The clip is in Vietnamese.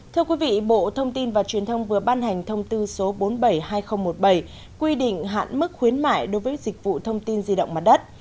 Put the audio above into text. thưa quý vị bộ thông tin và truyền thông vừa ban hành thông tư số bốn trăm bảy mươi hai nghìn một mươi bảy quy định hạn mức khuyến mại đối với dịch vụ thông tin di động mặt đất